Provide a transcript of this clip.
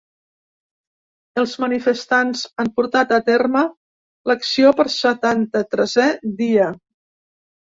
Els manifestants han portat a terme l’acció per setanta-tresè dia.